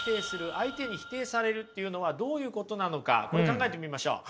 「相手に否定される」っていうのはどういうことなのかこれ考えてみましょう。